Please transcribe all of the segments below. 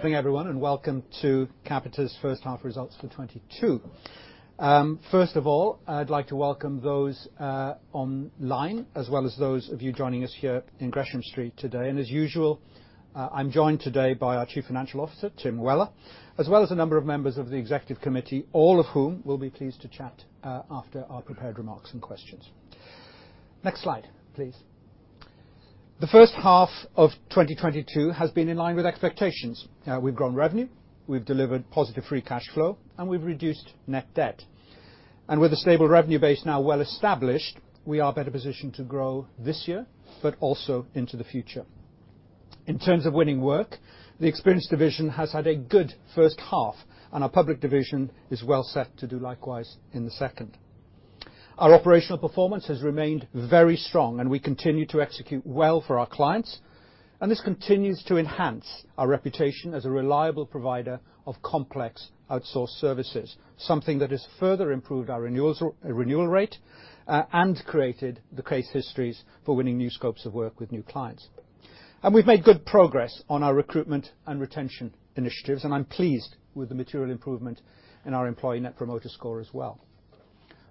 Good morning everyone, and welcome to Capita's first half results for 2022. First of all, I'd like to welcome those, online, as well as those of you joining us here in Gresham Street today. As usual, I'm joined today by our Chief Financial Officer, Tim Weller, as well as a number of members of the executive committee, all of whom will be pleased to chat, after our prepared remarks and questions. Next slide, please. The first half of 2022 has been in line with expectations. We've grown revenue, we've delivered positive free cash flow, and we've reduced net debt. With a stable revenue base now well-established, we are better positioned to grow this year, but also into the future. In terms of winning work, the Experience division has had a good first half, and our Public division is well set to do likewise in the second. Our operational performance has remained very strong, and we continue to execute well for our clients, and this continues to enhance our reputation as a reliable provider of complex outsourced services, something that has further improved our renewal rate and created the case histories for winning new scopes of work with new clients. We've made good progress on our recruitment and retention initiatives, and I'm pleased with the material improvement in our employee net promoter score as well.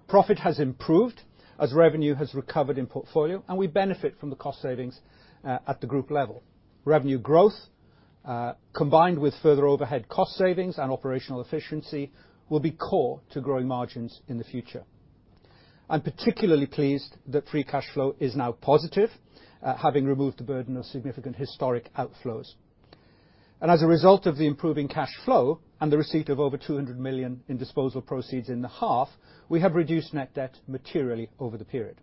Profit has improved as revenue has recovered in Portfolio, and we benefit from the cost savings at the group level. Revenue growth combined with further overhead cost savings and operational efficiency will be core to growing margins in the future. I'm particularly pleased that free cash flow is now positive, having removed the burden of significant historic outflows. As a result of the improving cash flow and the receipt of over 200 million in disposal proceeds in the half, we have reduced net debt materially over the period.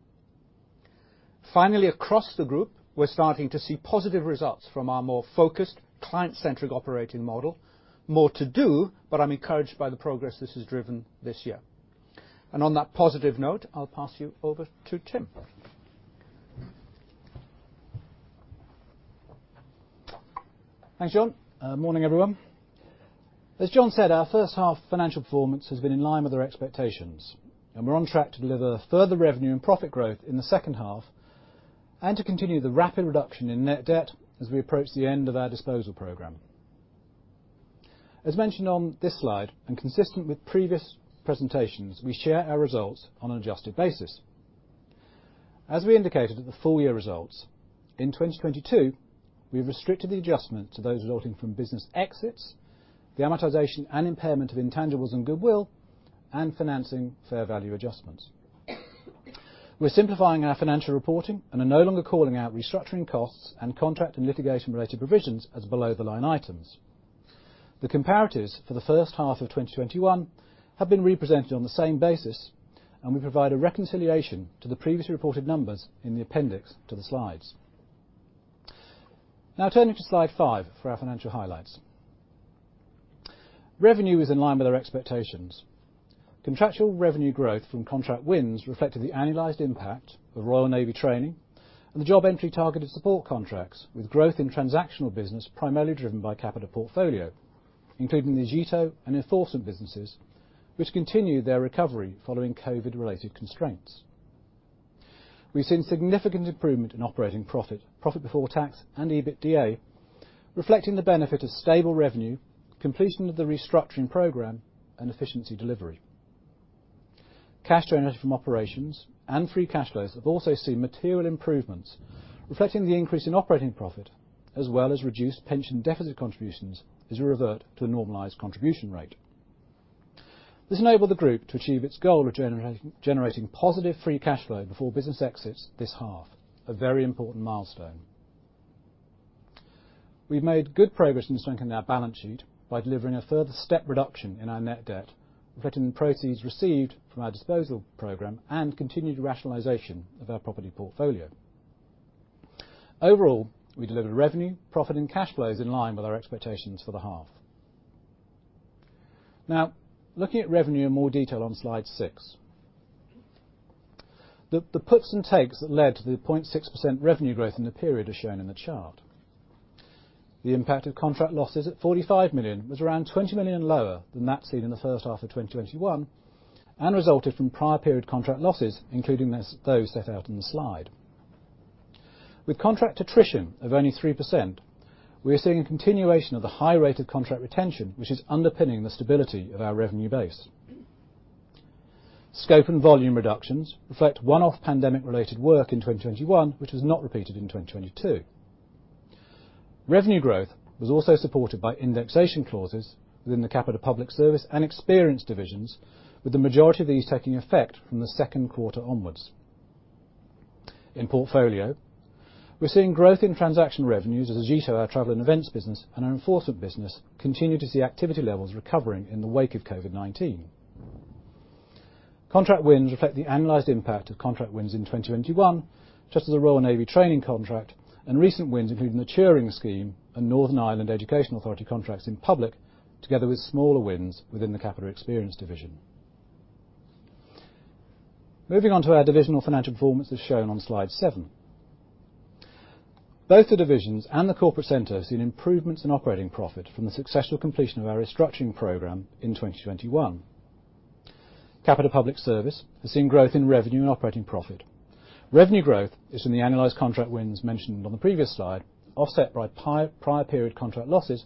Finally, across the group, we're starting to see positive results from our more focused client-centric operating model, more to do, but I'm encouraged by the progress this has driven this year. On that positive note, I'll pass you over to Tim. Thanks, Jon. Morning everyone. As Jon said, our first half financial performance has been in line with our expectations, and we're on track to deliver further revenue and profit growth in the second half, and to continue the rapid reduction in net debt as we approach the end of our disposal program. As mentioned on this slide, and consistent with previous presentations, we share our results on an adjusted basis. As we indicated at the full year results, in 2022, we've restricted the adjustment to those resulting from business exits, the amortization and impairment of intangibles and goodwill, and financing fair value adjustments. We're simplifying our financial reporting and are no longer calling out restructuring costs and contract and litigation-related provisions as below the line items. The comparatives for the first half of 2021 have been represented on the same basis, and we provide a reconciliation to the previously reported numbers in the appendix to the slides. Now turning to slide five for our financial highlights. Revenue is in line with our expectations. Contractual revenue growth from contract wins reflected the annualized impact of Royal Navy training and the Job Entry Targeted Support contracts with growth in transactional business primarily driven by Capita Portfolio, including the Agiito and enforcement businesses, which continue their recovery following COVID-related constraints. We've seen significant improvement in operating profit before tax and EBITDA, reflecting the benefit of stable revenue, completion of the restructuring program and efficiency delivery. Cash generated from operations and free cash flows have also seen material improvements, reflecting the increase in operating profit, as well as reduced pension deficit contributions as we revert to a normalized contribution rate. This enabled the group to achieve its goal of generating positive free cash flow before business exits this half, a very important milestone. We've made good progress in strengthening our balance sheet by delivering a further step reduction in our net debt, reflecting the proceeds received from our disposal program and continued rationalization of our property portfolio. Overall, we delivered revenue, profit and cash flows in line with our expectations for the half. Now, looking at revenue in more detail on slide six. The puts and takes that led to the 0.6% revenue growth in the period are shown in the chart. The impact of contract losses at 45 million was around 20 million lower than that seen in the first half of 2021, and resulted from prior period contract losses, including those set out in the slide. With contract attrition of only 3%, we are seeing a continuation of the high rate of contract retention, which is underpinning the stability of our revenue base. Scope and volume reductions reflect one-off pandemic related work in 2021, which was not repeated in 2022. Revenue growth was also supported by indexation clauses within the Capita Public Service and Experience divisions, with the majority of these taking effect from the second quarter onwards. In Portfolio, we're seeing growth in transaction revenues as Agiito, our Travel and Events business, and our Enforcement business continue to see activity levels recovering in the wake of COVID-19. Contract wins reflect the annualized impact of contract wins in 2021, such as the Royal Navy training contract and recent wins, including the Turing Scheme and Northern Ireland Education Authority contracts in public, together with smaller wins within the Capita Experience division. Moving on to our divisional financial performance as shown on slide seven. Both the divisions and the corporate center seen improvements in operating profit from the successful completion of our restructuring program in 2021. Capita Public Service has seen growth in revenue and operating profit. Revenue growth is from the annualized contract wins mentioned on the previous slide, offset by prior period contract losses,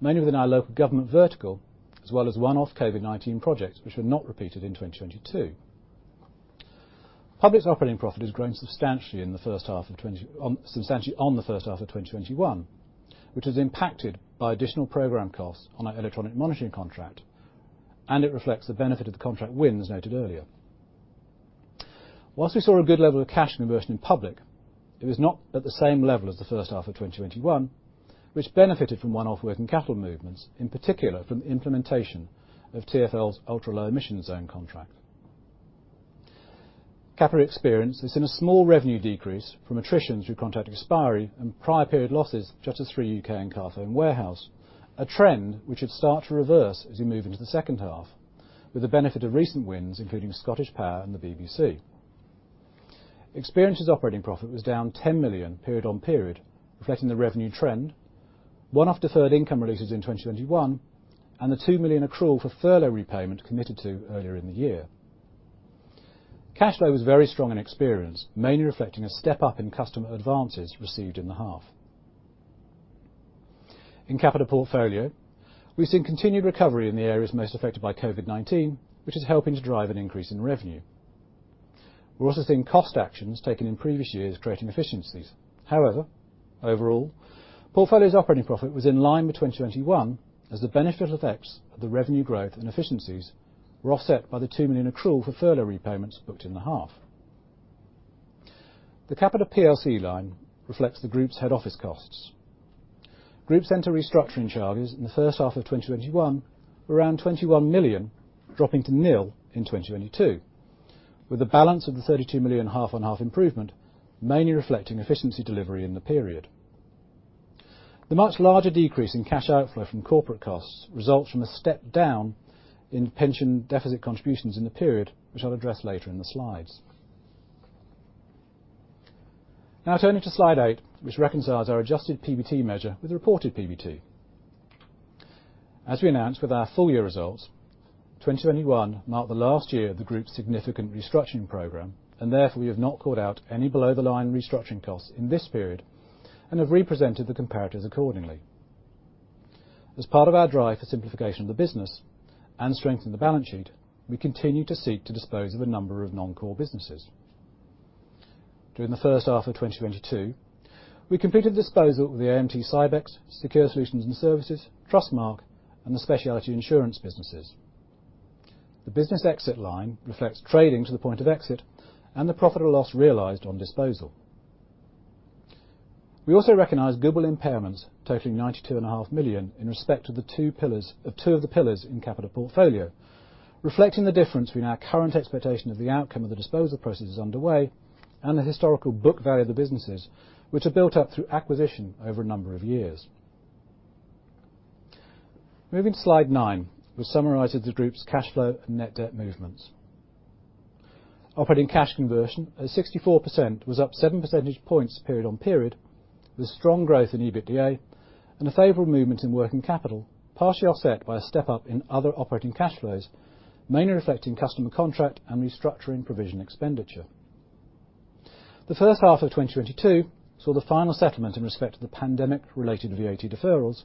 mainly within our local government vertical, as well as one-off COVID-19 projects which were not repeated in 2022. Public's operating profit has grown substantially on the first half of 2021, which is impacted by additional program costs on our electronic monitoring contract, and it reflects the benefit of the contract wins noted earlier. While we saw a good level of cash conversion in Public, it was not at the same level as the first half of 2021, which benefited from one-off working capital movements, in particular from the implementation of TfL's Ultra Low Emission Zone contract. Capita Experience has seen a small revenue decrease from attritions through contract expiry and prior period losses, such as 3UK and Carphone Warehouse, a trend which should start to reverse as we move into the second half, with the benefit of recent wins, including ScottishPower and the BBC. Experience's operating profit was down 10 million period-on-period, reflecting the revenue trend, one-off deferred income releases in 2021, and the 2 million accrual for furlough repayment committed to earlier in the year. Cash flow was very strong in Capita Experience, mainly reflecting a step up in customer advances received in the half. In Capita Portfolio, we've seen continued recovery in the areas most affected by COVID-19, which is helping to drive an increase in revenue. We're also seeing cost actions taken in previous years creating efficiencies. However, overall, Capita Portfolio's operating profit was in line with 2021 as the benefit effects of the revenue growth and efficiencies were offset by the 2 million accrual for furlough repayments booked in the half. The Capita plc line reflects the group's head office costs. Group center restructuring charges in the first half of 2021 were around 21 million, dropping to nil in 2022, with the balance of the 32 million half-on-half improvement mainly reflecting efficiency delivery in the period. The much larger decrease in cash outflow from corporate costs results from a step down in pension deficit contributions in the period, which I'll address later in the slides. Now turning to slide eight, which reconciles our adjusted PBT measure with reported PBT. As we announced with our full year results, 2021 marked the last year of the group's significant restructuring program, and therefore, we have not called out any below the line restructuring costs in this period and have represented the comparatives accordingly. As part of our drive for simplification of the business and strengthen the balance sheet, we continue to seek to dispose of a number of non-core businesses. During the first half of 2022, we completed disposal with the AMT-Sybex, Secure Solutions and Services, Trustmarque, and the specialty insurance businesses. The business exit line reflects trading to the point of exit and the profit or loss realized on disposal. We also recognize goodwill impairments totaling 92.5 million in respect of the two pillars of two of the pillars in Capita Portfolio, reflecting the difference between our current expectation of the outcome of the disposal processes underway and the historical book value of the businesses which are built up through acquisition over a number of years. Moving to slide 9, which summarizes the group's cash flow and net debt movements. Operating cash conversion at 64% was up seven percentage points period-on-period. The strong growth in EBITDA and a favorable movement in working capital, partially offset by a step-up in other operating cash flows, mainly reflecting customer contract and restructuring provision expenditure. The first half of 2022 saw the final settlement in respect to the pandemic related VAT deferrals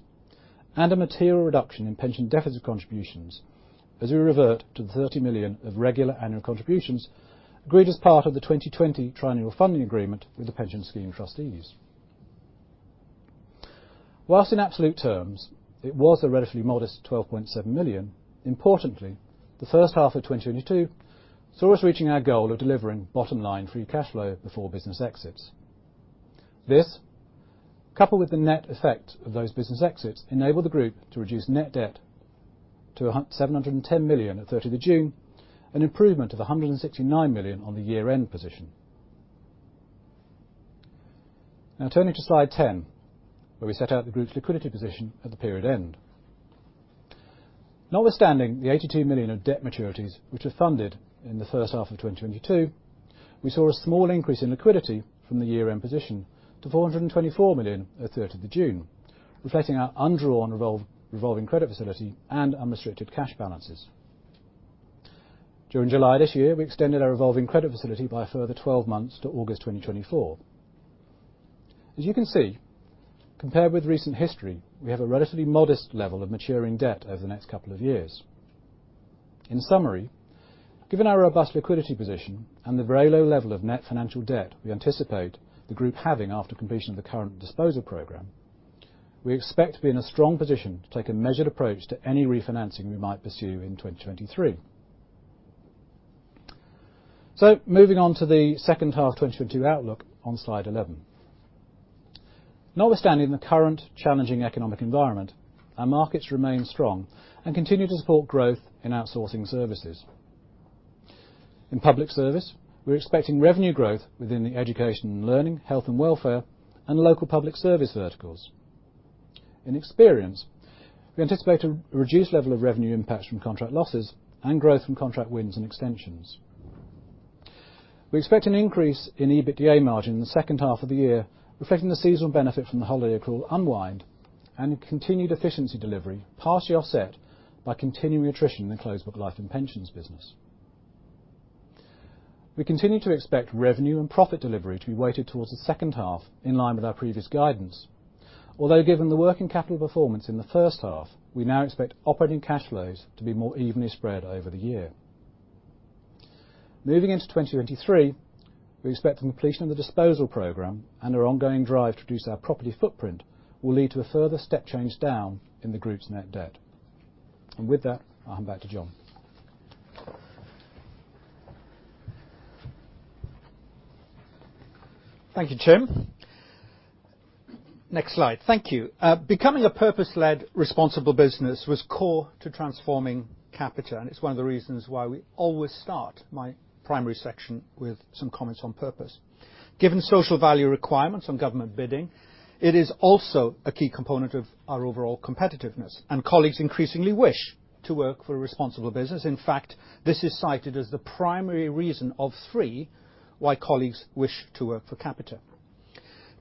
and a material reduction in pension deficit contributions as we revert to the 30 million of regular annual contributions agreed as part of the 2020 triennial funding agreement with the pension scheme trustees. Whilst in absolute terms, it was a relatively modest 12.7 million, importantly, the first half of 2022 saw us reaching our goal of delivering bottom line free cash flow before business exits. This, coupled with the net effect of those business exits, enabled the group to reduce net debt to 710 million at 30th of June, an improvement of 169 million on the year-end position. Now turning to slide 10, where we set out the group's liquidity position at the period end. Notwithstanding the 82 million of debt maturities which were funded in the first half of 2022, we saw a small increase in liquidity from the year-end position to 424 million at 30th of June, reflecting our undrawn revolving credit facility and unrestricted cash balances. During July this year, we extended our revolving credit facility by a further 12 months to August 2024. As you can see, compared with recent history, we have a relatively modest level of maturing debt over the next couple of years. In summary, given our robust liquidity position and the very low level of net financial debt we anticipate the group having after completion of the current disposal program, we expect to be in a strong position to take a measured approach to any refinancing we might pursue in 2023. Moving on to the second half 2022 outlook on slide 11. Notwithstanding the current challenging economic environment, our markets remain strong and continue to support growth in outsourcing services. In Public Service, we're expecting revenue growth within the Education & Learning, Health & Welfare, and Local Public Service verticals. In Experience, we anticipate a reduced level of revenue impacts from contract losses and growth from contract wins and extensions. We expect an increase in EBITDA margin in the second half of the year, reflecting the seasonal benefit from the holiday accrual unwind and continued efficiency delivery, partially offset by continuing attrition in the closed book life and pensions business. We continue to expect revenue and profit delivery to be weighted towards the second half in line with our previous guidance. Although given the working capital performance in the first half, we now expect operating cash flows to be more evenly spread over the year. Moving into 2023, we expect the completion of the disposal program and our ongoing drive to reduce our property footprint will lead to a further step change down in the group's net debt. With that, I'll hand back to Jon. Thank you, Tim. Next slide. Thank you. Becoming a purpose-led responsible business was core to transforming Capita, and it's one of the reasons why we always start my primary section with some comments on purpose. Given social value requirements on government bidding, it is also a key component of our overall competitiveness, and colleagues increasingly wish to work for a responsible business. In fact, this is cited as the primary reason of three why colleagues wish to work for Capita.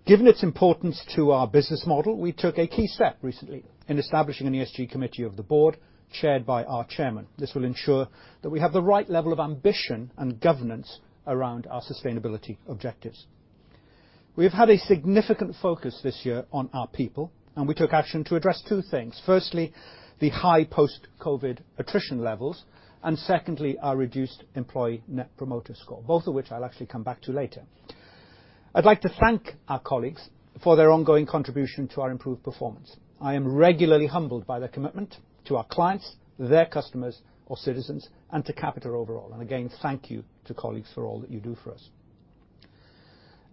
Given its importance to our business model, we took a key step recently in establishing an ESG committee of the board chaired by our chairman. This will ensure that we have the right level of ambition and governance around our sustainability objectives. We have had a significant focus this year on our people, and we took action to address two things. Firstly, the high post-COVID attrition levels, and secondly, our reduced employee net promoter score, both of which I'll actually come back to later. I'd like to thank our colleagues for their ongoing contribution to our improved performance. I am regularly humbled by their commitment to our clients, their customers or citizens, and to Capita overall. Again, thank you to colleagues for all that you do for us.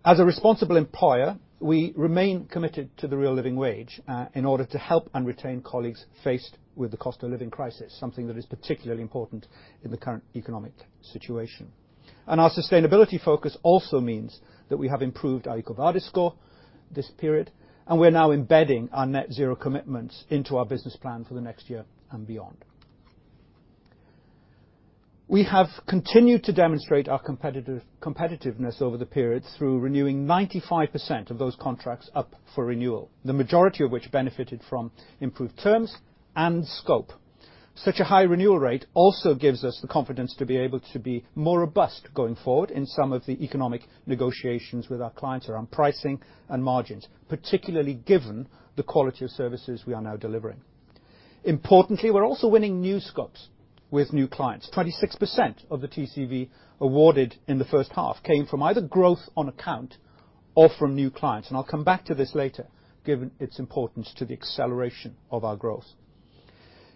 As a responsible employer, we remain committed to the Real Living Wage in order to help and retain colleagues faced with the cost of living crisis, something that is particularly important in the current economic situation. Our sustainability focus also means that we have improved our EcoVadis score this period, and we're now embedding our Net Zero commitments into our business plan for the next year and beyond. We have continued to demonstrate our competitiveness over the period through renewing 95% of those contracts up for renewal, the majority of which benefited from improved terms and scope. Such a high renewal rate also gives us the confidence to be able to be more robust going forward in some of the economic negotiations with our clients around pricing and margins, particularly given the quality of services we are now delivering. Importantly, we're also winning new scopes with new clients. 26% of the TCV awarded in the first half came from either growth on account or from new clients, and I'll come back to this later given its importance to the acceleration of our growth.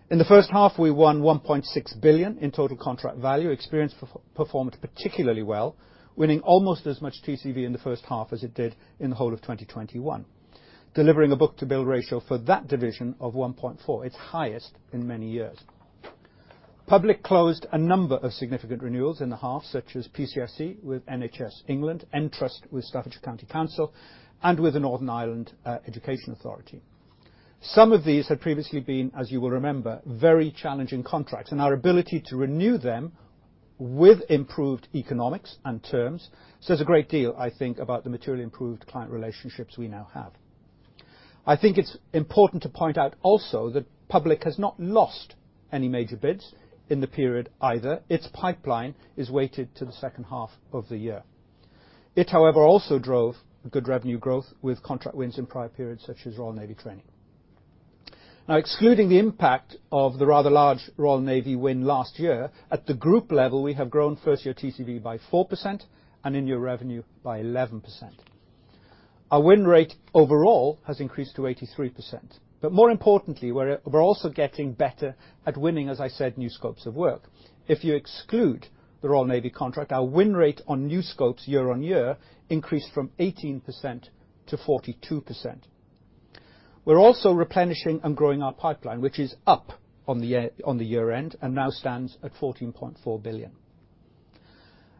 In the first half, we won 1.6 billion in Total Contract Value. Experience performed particularly well, winning almost as much TCV in the first half as it did in the whole of 2021, delivering a book-to-bill ratio for that division of 1.4, its highest in many years. Public closed a number of significant renewals in the half, such as PCSE with NHS England, Entrust with Staffordshire County Council, and with the Northern Ireland Education Authority. Some of these had previously been, as you will remember, very challenging contracts, and our ability to renew them with improved economics and terms says a great deal, I think, about the materially improved client relationships we now have. I think it's important to point out also that Public has not lost any major bids in the period either. Its pipeline is weighted to the second half of the year. It, however, also drove a good revenue growth with contract wins in prior periods such as Royal Navy training. Now, excluding the impact of the rather large Royal Navy win last year, at the group level, we have grown first year TCV by 4% and in-year revenue by 11%. Our win rate overall has increased to 83%. More importantly, we're also getting better at winning, as I said, new scopes of work. If you exclude the Royal Navy contract, our win rate on new scopes year-on-year increased from 18% to 42%. We're also replenishing and growing our pipeline, which is up on the year, on the year-end and now stands at 14.4 billion.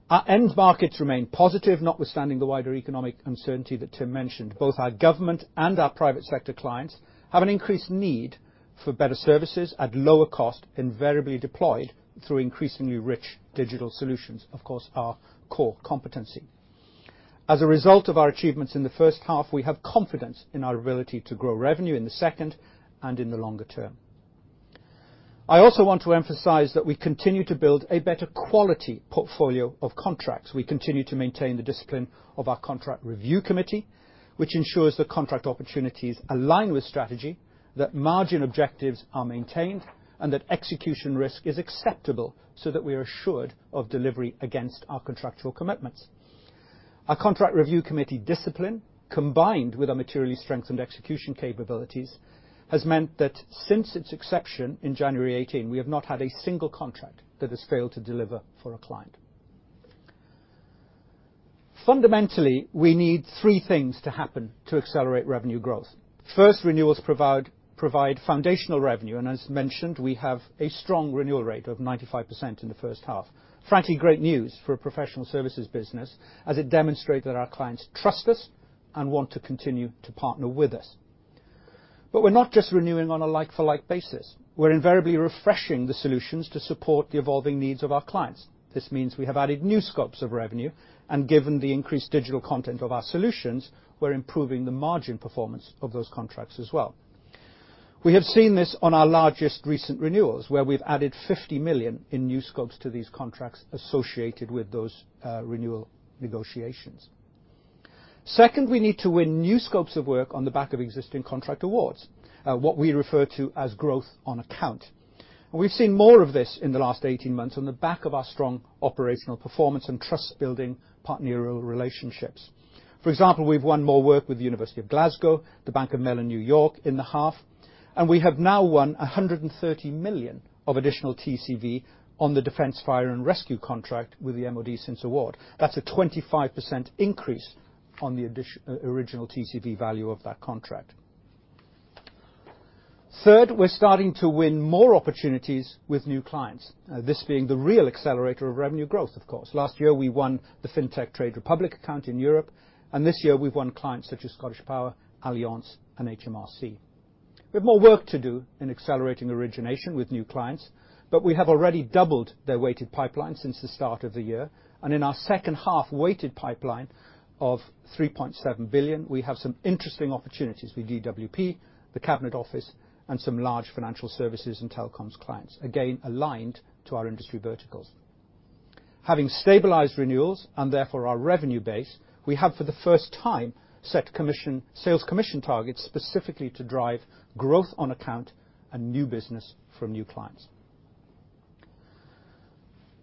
Our end markets remain positive, notwithstanding the wider economic uncertainty that Tim mentioned. Both our government and our private sector clients have an increased need for better services at lower cost, invariably deployed through increasingly rich digital solutions, of course, our core competency. As a result of our achievements in the first half, we have confidence in our ability to grow revenue in the second and in the longer term. I also want to emphasize that we continue to build a better quality portfolio of contracts. We continue to maintain the discipline of our contract review committee, which ensures that contract opportunities align with strategy, that margin objectives are maintained, and that execution risk is acceptable so that we are assured of delivery against our contractual commitments. Our contract review committee discipline, combined with our materially strengthened execution capabilities, has meant that since its inception in January 2018, we have not had a single contract that has failed to deliver for a client. Fundamentally, we need three things to happen to accelerate revenue growth. First, renewals provide foundational revenue, and as mentioned, we have a strong renewal rate of 95% in the first half. Frankly, great news for a professional services business as it demonstrate that our clients trust us and want to continue to partner with us. We're not just renewing on a like-for-like basis. We're invariably refreshing the solutions to support the evolving needs of our clients. This means we have added new scopes of revenue and given the increased digital content of our solutions, we're improving the margin performance of those contracts as well. We have seen this on our largest recent renewals, where we've added 50 million in new scopes to these contracts associated with those renewal negotiations. Second, we need to win new scopes of work on the back of existing contract awards, what we refer to as growth on account. We've seen more of this in the last 18 months on the back of our strong operational performance and trust-building partner relationships. For example, we've won more work with the University of Glasgow, The Bank of New York Mellon, in the half, and we have now won 130 million of additional TCV on the Defence Fire and Rescue contract with the MOD since award. That's a 25% increase on the original TCV value of that contract. Third, we're starting to win more opportunities with new clients. This being the real accelerator of revenue growth, of course. Last year, we won the Fintech Trade Republic account in Europe, and this year we've won clients such as ScottishPower, Allianz, and HMRC. We have more work to do in accelerating origination with new clients, but we have already doubled their weighted pipeline since the start of the year. In our second-half weighted pipeline of 3.7 billion, we have some interesting opportunities with DWP, the Cabinet Office, and some large financial services and telecoms clients, again, aligned to our industry verticals. Having stabilized renewals and therefore our revenue base, we have, for the first time, set sales commission targets specifically to drive growth on account and new business from new clients.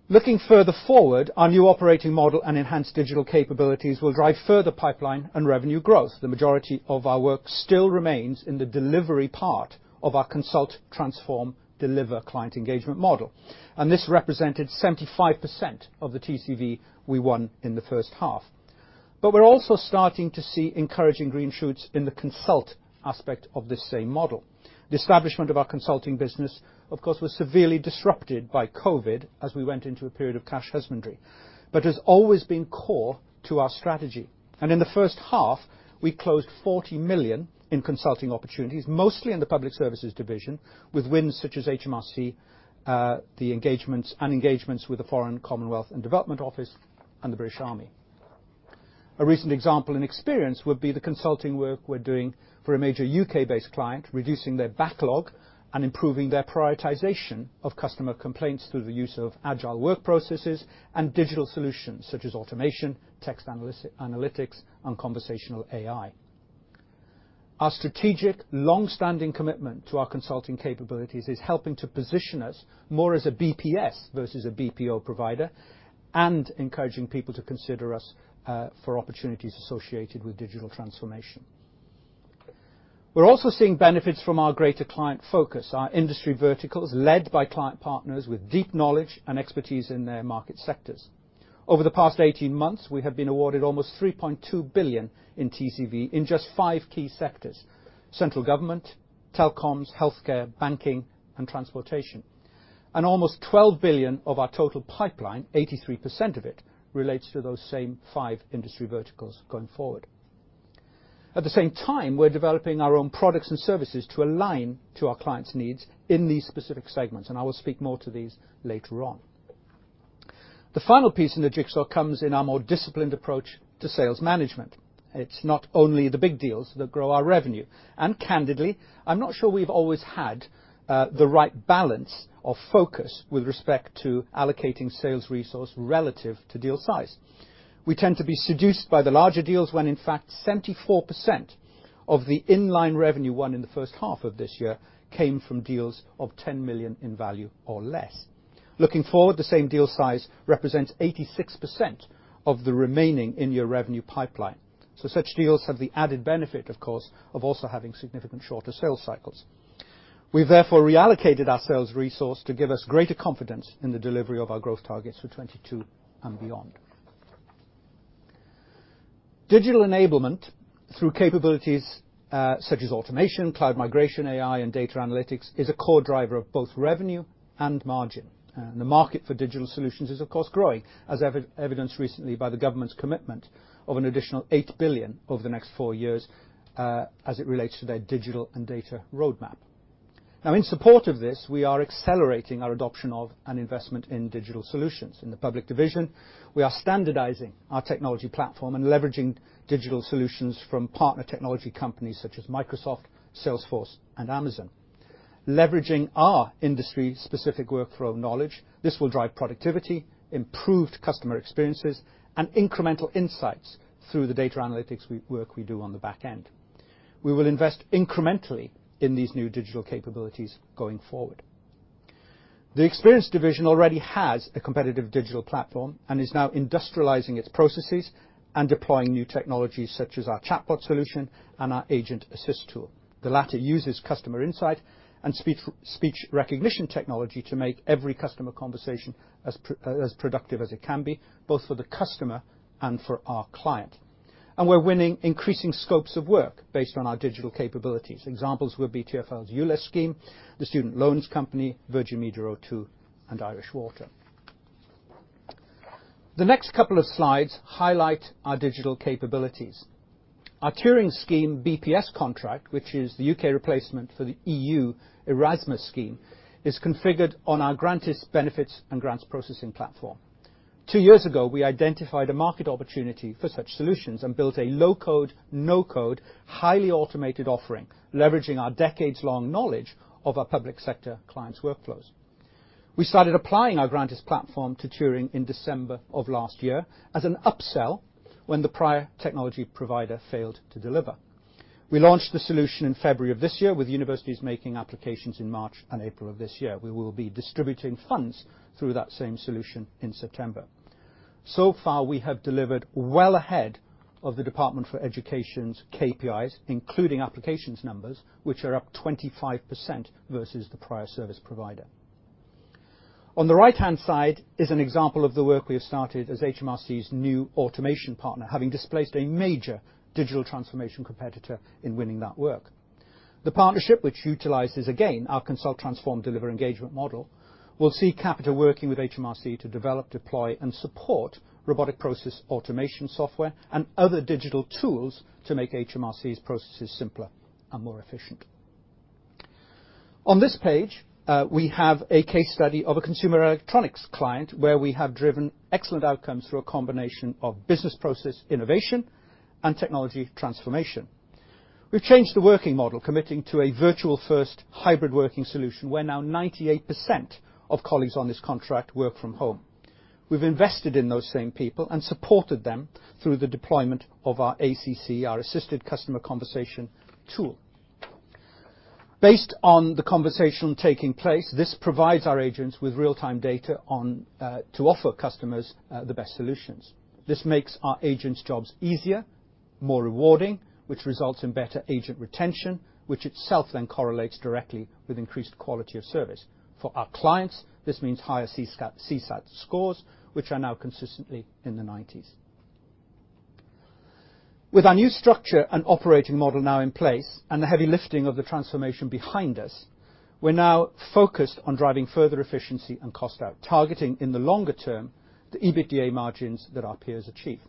Looking further forward, our new operating model and enhanced digital capabilities will drive further pipeline and revenue growth. The majority of our work still remains in the delivery part of our consult, transform, deliver client engagement model, and this represented 75% of the TCV we won in the first half. We're also starting to see encouraging green shoots in the consult aspect of this same model. The establishment of our consulting business, of course, was severely disrupted by COVID as we went into a period of cash husbandry, but has always been core to our strategy. In the first half, we closed 40 million in consulting opportunities, mostly in the Public Service division, with wins such as HMRC and engagements with the Foreign, Commonwealth and Development Office and the British Army. A recent example in Experience would be the consulting work we're doing for a major U.K.-based client, reducing their backlog and improving their prioritization of customer complaints through the use of agile work processes and digital solutions such as automation, text analytics, and conversational AI. Our strategic longstanding commitment to our consulting capabilities is helping to position us more as a BPS versus a BPO provider, and encouraging people to consider us for opportunities associated with digital transformation. We're also seeing benefits from our greater client focus, our industry verticals led by client partners with deep knowledge and expertise in their market sectors. Over the past 18 months, we have been awarded almost 3.2 billion in TCV in just five key sectors: central government, telecoms, healthcare, banking, and transportation. Almost 12 billion of our total pipeline, 83% of it, relates to those same five industry verticals going forward. At the same time, we're developing our own products and services to align to our clients' needs in these specific segments, and I will speak more to these later on. The final piece in the jigsaw comes in our more disciplined approach to sales management. It's not only the big deals that grow our revenue, and candidly, I'm not sure we've always had the right balance of focus with respect to allocating sales resource relative to deal size. We tend to be seduced by the larger deals, when in fact, 74% of the in-line revenue won in the first half of this year came from deals of 10 million in value or less. Looking forward, the same deal size represents 86% of the remaining in-year revenue pipeline. Such deals have the added benefit, of course, of also having significantly shorter sales cycles. We therefore reallocated our sales resource to give us greater confidence in the delivery of our growth targets for 2022 and beyond. Digital enablement through capabilities, such as automation, cloud migration, AI, and data analytics is a core driver of both revenue and margin. The market for digital solutions is of course growing, as evidenced recently by the government's commitment of an additional 8 billion over the next four years, as it relates to their digital and data roadmap. Now in support of this, we are accelerating our adoption and investment in digital solutions. In the Public division, we are standardizing our technology platform and leveraging digital solutions from partner technology companies such as Microsoft, Salesforce, and Amazon. Leveraging our industry specific workflow knowledge, this will drive productivity, improved customer experiences, and incremental insights through the data analytics work we do on the back end. We will invest incrementally in these new digital capabilities going forward. The Experience division already has a competitive digital platform and is now industrializing its processes and deploying new technologies such as our chatbot solution and our Agent Assist tool. The latter uses customer insight and speech recognition technology to make every customer conversation as productive as it can be, both for the customer and for our client. We're winning increasing scopes of work based on our digital capabilities. Examples would be TfL's ULEZ scheme, the Student Loans Company, Virgin Media O2, and Irish Water. The next couple of slides highlight our digital capabilities. Our Turing Scheme BPS contract, which is the U.K. replacement for the EU Erasmus scheme, is configured on our GrantIS benefits and grants processing platform. Two years ago, we identified a market opportunity for such solutions and built a low-code, no-code, highly automated offering, leveraging our decades-long knowledge of our public sector clients' workflows. We started applying our GrantIS platform to Turing in December of last year as an upsell when the prior technology provider failed to deliver. We launched the solution in February of this year, with universities making applications in March and April of this year. We will be distributing funds through that same solution in September. So far, we have delivered well ahead of the Department for Education's KPIs, including applications numbers, which are up 25% versus the prior service provider. On the right-hand side is an example of the work we have started as HMRC's new automation partner, having displaced a major digital transformation competitor in winning that work. The partnership, which utilizes, again, our consult, transform, deliver engagement model, will see Capita working with HMRC to develop, deploy, and support robotic process automation software and other digital tools to make HMRC's processes simpler and more efficient. On this page, we have a case study of a consumer electronics client where we have driven excellent outcomes through a combination of business process innovation and technology transformation. We've changed the working model, committing to a virtual-first hybrid working solution where now 98% of colleagues on this contract work from home. We've invested in those same people and supported them through the deployment of our ACC, our Assisted Customer Conversation tool. Based on the conversation taking place, this provides our agents with real-time data on, to offer customers, the best solutions. This makes our agents' jobs easier, more rewarding, which results in better agent retention, which itself then correlates directly with increased quality of service. For our clients, this means higher CSAT scores, which are now consistently in the 90s. With our new structure and operating model now in place, and the heavy lifting of the transformation behind us, we're now focused on driving further efficiency and cost out, targeting, in the longer term, the EBITDA margins that our peers achieve.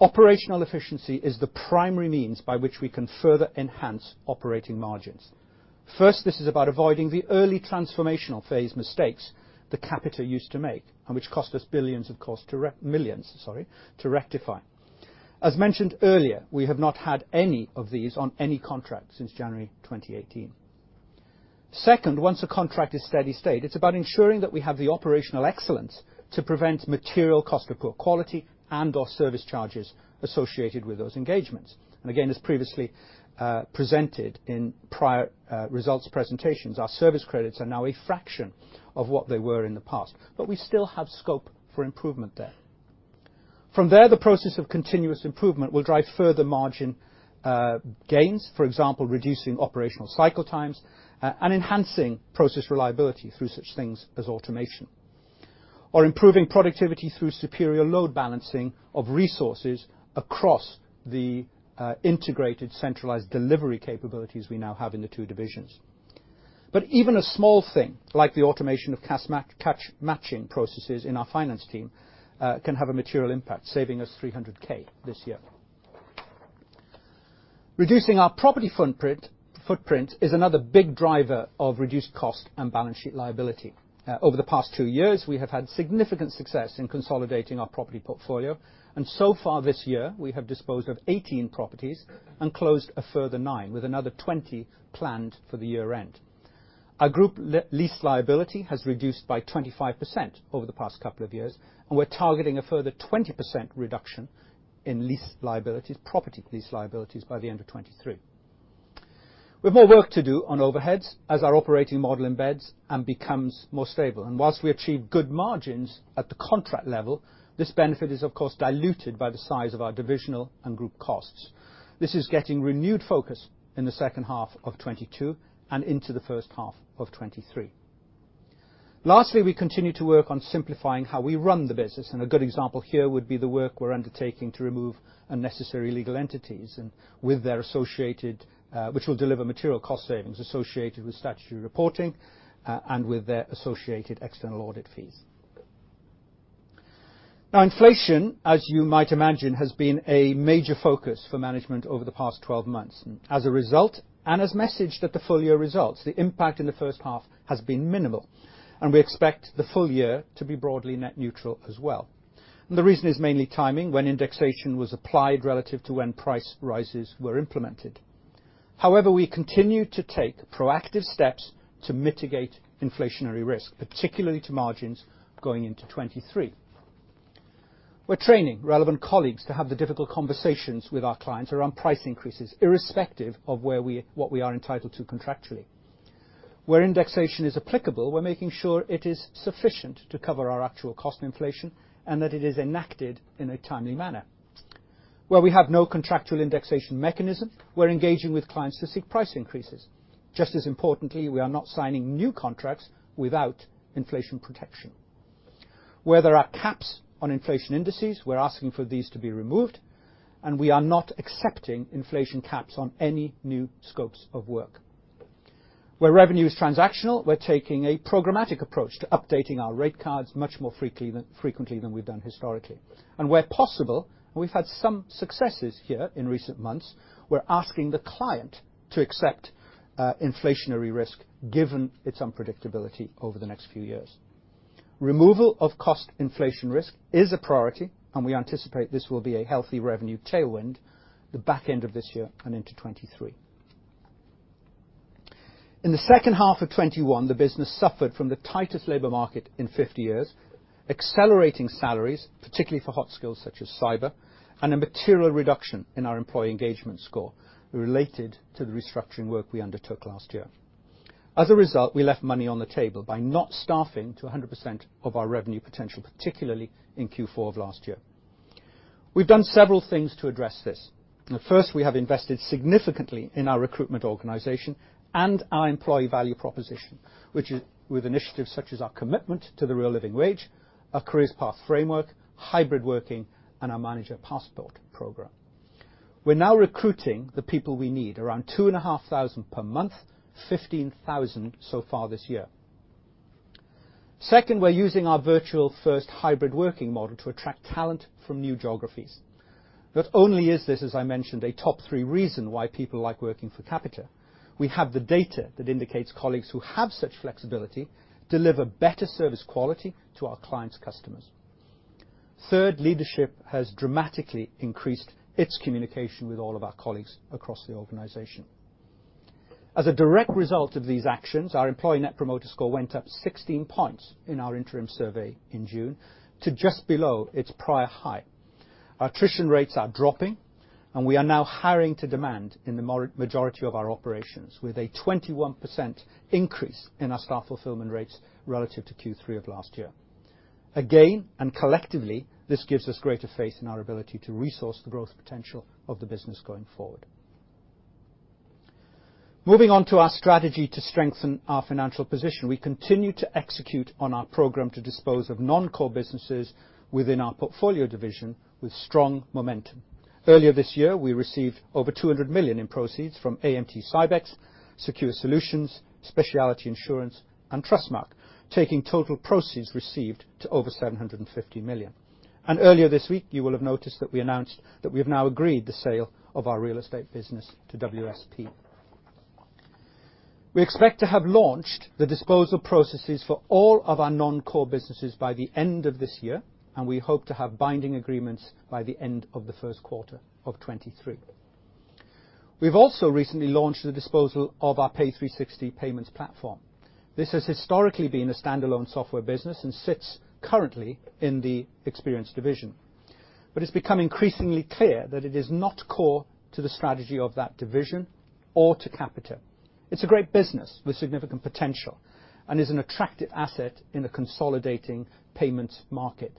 Operational efficiency is the primary means by which we can further enhance operating margins. First, this is about avoiding the early transformational phase mistakes that Capita used to make, and which cost us billions, of course, millions, sorry, to rectify. As mentioned earlier, we have not had any of these on any contract since January 2018. Second, once a contract is steady state, it's about ensuring that we have the operational excellence to prevent material cost of poor quality and/or service charges associated with those engagements. Again, as previously presented in prior results presentations, our service credits are now a fraction of what they were in the past, but we still have scope for improvement there. From there, the process of continuous improvement will drive further margin gains, for example, reducing operational cycle times and enhancing process reliability through such things as automation. Improving productivity through superior load balancing of resources across the integrated centralized delivery capabilities we now have in the two divisions. Even a small thing, like the automation of cash matching processes in our finance team, can have a material impact, saving us 300,000 this year. Reducing our property footprint is another big driver of reduced cost and balance sheet liability. Over the past two years, we have had significant success in consolidating our property portfolio, and so far this year, we have disposed of 18 properties and closed a further nine, with another 20 planned for the year-end. Our group lease liability has reduced by 25% over the past couple of years, and we're targeting a further 20% reduction in lease liabilities, property lease liabilities by the end of 2023. We have more work to do on overheads as our operating model embeds and becomes more stable. While we achieve good margins at the contract level, this benefit is of course diluted by the size of our divisional and group costs. This is getting renewed focus in the second half of 2022 and into the first half of 2023. Lastly, we continue to work on simplifying how we run the business, and a good example here would be the work we're undertaking to remove unnecessary legal entities, which will deliver material cost savings associated with statutory reporting, and their associated external audit fees. Now inflation, as you might imagine, has been a major focus for management over the past 12 months. As a result, and as messaged at the full-year results, the impact in the first half has been minimal, and we expect the full year to be broadly net neutral as well. The reason is mainly timing, when indexation was applied relative to when price rises were implemented. However, we continue to take proactive steps to mitigate inflationary risk, particularly to margins going into 2023. We're training relevant colleagues to have the difficult conversations with our clients around price increases, irrespective of what we are entitled to contractually. Where indexation is applicable, we're making sure it is sufficient to cover our actual cost inflation and that it is enacted in a timely manner. Where we have no contractual indexation mechanism, we're engaging with clients to seek price increases. Just as importantly, we are not signing new contracts without inflation protection. Where there are caps on inflation indices, we're asking for these to be removed, and we are not accepting inflation caps on any new scopes of work. Where revenue is transactional, we're taking a programmatic approach to updating our rate cards much more frequently than we've done historically. Where possible, and we've had some successes here in recent months, we're asking the client to accept inflationary risk given its unpredictability over the next few years. Removal of cost inflation risk is a priority, and we anticipate this will be a healthy revenue tailwind the back end of this year and into 2023. In the second half of 2021, the business suffered from the tightest labor market in 50 years, accelerating salaries, particularly for hot skills such as cyber, and a material reduction in our employee engagement score related to the restructuring work we undertook last year. As a result, we left money on the table by not staffing to 100% of our revenue potential, particularly in Q4 of last year. We've done several things to address this. The first, we have invested significantly in our recruitment organization and our employee value proposition, which is with initiatives such as our commitment to the Real Living Wage, our careers path framework, hybrid working, and our Manager Passport program. We're now recruiting the people we need, around 2,500 per month, 15,000 so far this year. Second, we're using our virtual first hybrid working model to attract talent from new geographies. Not only is this, as I mentioned, a top three reason why people like working for Capita, we have the data that indicates colleagues who have such flexibility deliver better service quality to our clients' customers. Third, leadership has dramatically increased its communication with all of our colleagues across the organization. As a direct result of these actions, our employee net promoter score went up 16 points in our interim survey in June to just below its prior high. Our attrition rates are dropping, and we are now hiring to demand in the majority of our operations with a 21% increase in our staff fulfillment rates relative to Q3 of last year. Again, and collectively, this gives us greater faith in our ability to resource the growth potential of the business going forward. Moving on to our strategy to strengthen our financial position, we continue to execute on our program to dispose of non-core businesses within our portfolio division with strong momentum. Earlier this year, we received over 200 million in proceeds from AMT-Sybex, Secure Solutions, Specialty Insurance, and Trustmarque, taking total proceeds received to over 750 million. Earlier this week, you will have noticed that we announced that we have now agreed the sale of our real estate business to WSP. We expect to have launched the disposal processes for all of our non-core businesses by the end of this year, and we hope to have binding agreements by the end of the first quarter of 2023. We've also recently launched the disposal of our Pay360 payments platform. This has historically been a standalone software business and sits currently in the Capita Experience. It's become increasingly clear that it is not core to the strategy of that division or to Capita. It's a great business with significant potential and is an attractive asset in a consolidating payments market.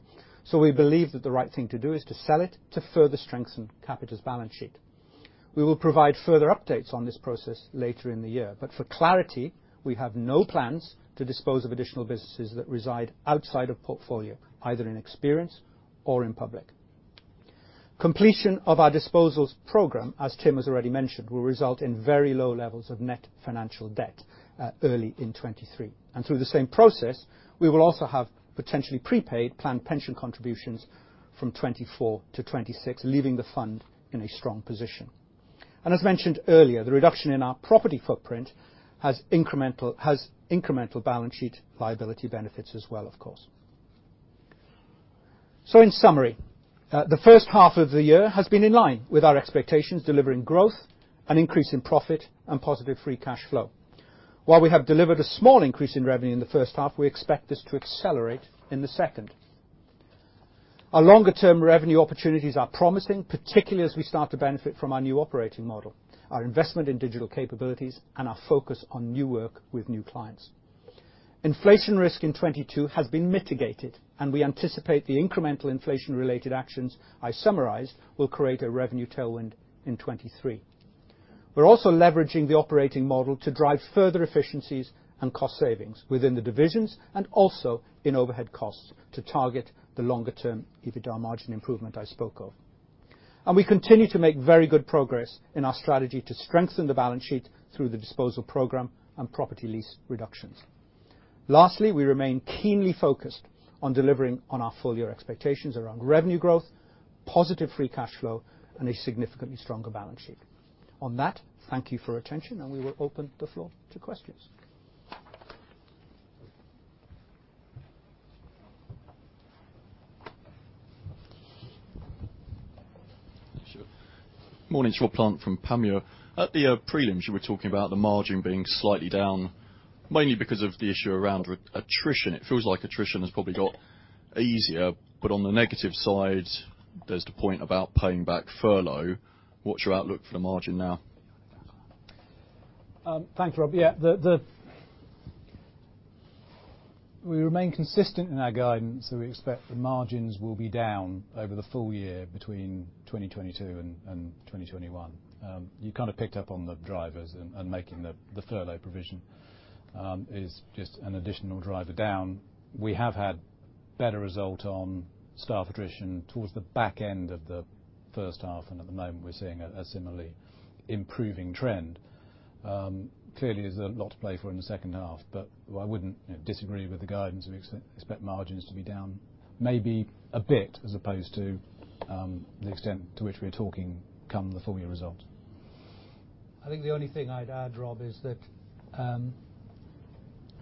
We believe that the right thing to do is to sell it to further strengthen Capita's balance sheet. We will provide further updates on this process later in the year. For clarity, we have no plans to dispose of additional businesses that reside outside of Portfolio, either in Experience or in Public. Completion of our disposals program, as Tim has already mentioned, will result in very low levels of net financial debt early in 2023. Through the same process, we will also have potentially prepaid planned pension contributions from 2024 to 2026, leaving the fund in a strong position. As mentioned earlier, the reduction in our property footprint has incremental balance sheet liability benefits as well, of course. In summary, the first half of the year has been in line with our expectations, delivering growth and increase in profit and positive free cash flow. While we have delivered a small increase in revenue in the first half, we expect this to accelerate in the second. Our longer-term revenue opportunities are promising, particularly as we start to benefit from our new operating model, our investment in digital capabilities, and our focus on new work with new clients. Inflation risk in 2022 has been mitigated, and we anticipate the incremental inflation-related actions I summarized will create a revenue tailwind in 2023. We're also leveraging the operating model to drive further efficiencies and cost savings within the divisions and also in overhead costs to target the longer-term EBITDA margin improvement I spoke of. We continue to make very good progress in our strategy to strengthen the balance sheet through the disposal program and property lease reductions. Lastly, we remain keenly focused on delivering on our full-year expectations around revenue growth, positive free cash flow, and a significantly stronger balance sheet. On that, thank you for your attention, and we will open the floor to questions. Sure. Morning to you, Rob Plant from Panmure. At the prelims, you were talking about the margin being slightly down, mainly because of the issue around with attrition. It feels like attrition has probably got easier, but on the negative side, there's the point about paying back furlough. What's your outlook for the margin now? Thanks, Rob. Yeah. We remain consistent in our guidance, so we expect the margins will be down over the full year between 2022 and 2021. You kind of picked up on the drivers and making the furlough provision is just an additional driver down. We have had better result on staff attrition towards the back end of the first half, and at the moment we're seeing a similarly improving trend. Clearly there's a lot to play for in the second half, but I wouldn't disagree with the guidance. We expect margins to be down maybe a bit as opposed to the extent to which we're talking come the full year results. I think the only thing I'd add, Rob, is that,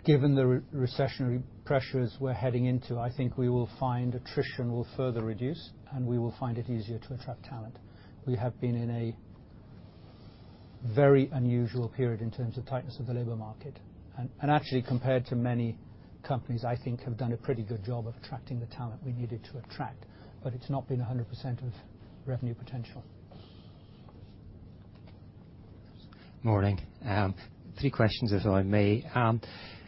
given the recessionary pressures we're heading into, I think we will find attrition will further reduce, and we will find it easier to attract talent. We have been in a very unusual period in terms of tightness of the labor market. Actually compared to many companies, I think have done a pretty good job of attracting the talent we needed to attract, but it's not been 100% of revenue potential. Morning. Three questions if I may.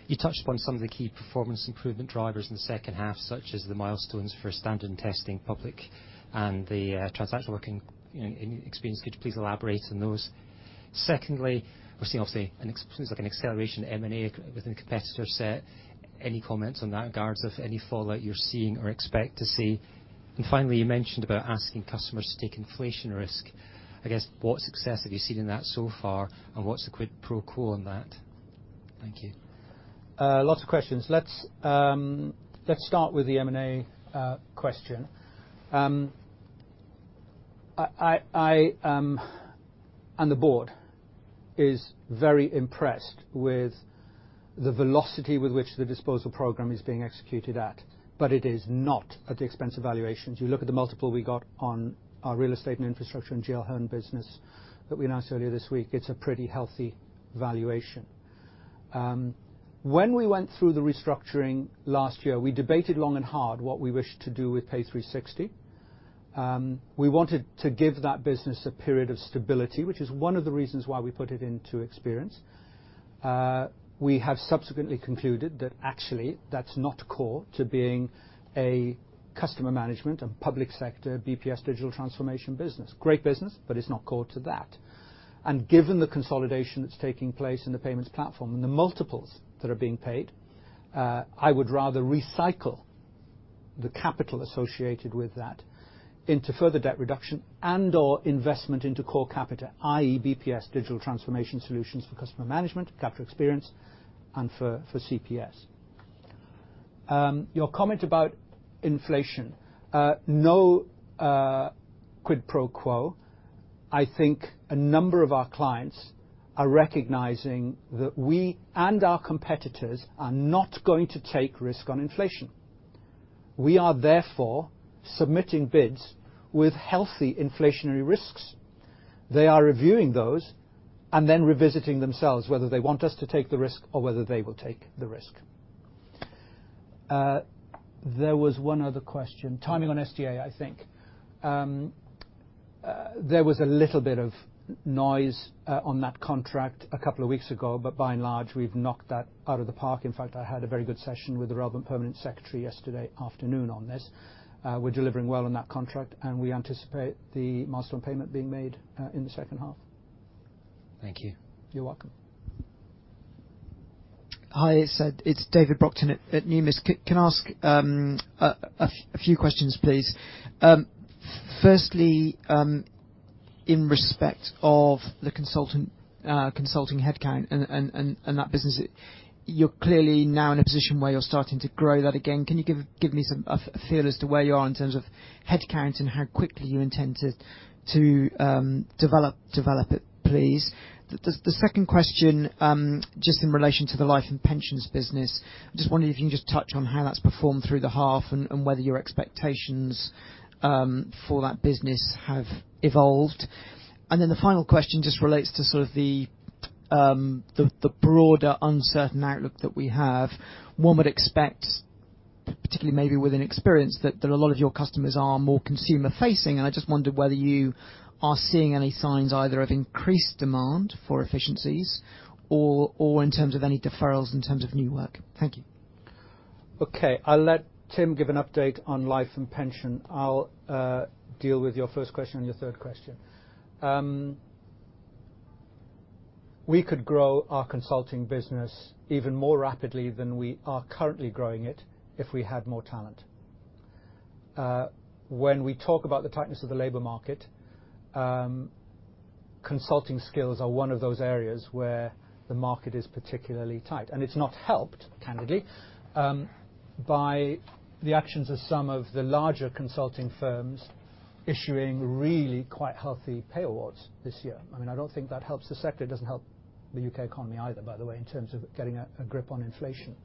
You touched upon some of the key performance improvement drivers in the second half, such as the milestones for Standards and Testing Agency and the transactional working, you know, in Experience. Could you please elaborate on those? Secondly, we're seeing obviously seems like an acceleration in M&A within the competitor set. Any comments on that in regards of any fallout you're seeing or expect to see? Finally, you mentioned about asking customers to take inflation risk. I guess, what success have you seen in that so far, and what's the quid pro quo on that? Thank you. Lots of questions. Let's start with the M&A question. The board is very impressed with the velocity with which the disposal program is being executed at, but it is not at the expense of valuations. You look at the multiple we got on our Real Estate and Infrastructure and GL Hearn business that we announced earlier this week. It's a pretty healthy valuation. When we went through the restructuring last year, we debated long and hard what we wished to do with Pay360. We wanted to give that business a period of stability, which is one of the reasons why we put it into Experience. We have subsequently concluded that actually that's not core to being a customer management and public sector BPS digital transformation business. Great business, but it's not core to that. Given the consolidation that's taking place in the payments platform and the multiples that are being paid, I would rather recycle the capital associated with that into further debt reduction and/or investment into core Capita, i.e. BPS digital transformation solutions for customer management, Capita Experience, and for CPS. Your comment about inflation. No, quid pro quo. I think a number of our clients are recognizing that we and our competitors are not going to take risk on inflation. We are therefore submitting bids with healthy inflationary risks. They are reviewing those and then revisiting themselves, whether they want us to take the risk or whether they will take the risk. There was one other question. Timing on STA, I think. There was a little bit of noise on that contract a couple of weeks ago, but by and large, we've knocked that out of the park. In fact, I had a very good session with the relevant permanent secretary yesterday afternoon on this. We're delivering well on that contract, and we anticipate the milestone payment being made in the second half. Thank you. You're welcome. Hi, it's David Brockton at Numis. Can I ask a few questions, please? Firstly, in respect of the consulting headcount and that business, you're clearly now in a position where you're starting to grow that again. Can you give me a feel as to where you are in terms of headcount and how quickly you intend to develop it, please? The second question, just in relation to the Life & Pensions business, I just wondered if you can just touch on how that's performed through the half and whether your expectations for that business have evolved. Then the final question just relates to sort of the broader uncertain outlook that we have. One would expect, particularly maybe within Experience, that a lot of your customers are more consumer-facing, and I just wondered whether you are seeing any signs either of increased demand for efficiencies or in terms of any deferrals in terms of new work. Thank you. Okay. I'll let Tim give an update on Life & Pension. I'll deal with your first question and your third question. We could grow our consulting business even more rapidly than we are currently growing it if we had more talent. When we talk about the tightness of the labor market, consulting skills are one of those areas where the market is particularly tight. It's not helped, candidly, by the actions of some of the larger consulting firms issuing really quite healthy pay awards this year. I mean, I don't think that helps the sector. It doesn't help the U.K. economy either, by the way, in terms of getting a grip on inflation.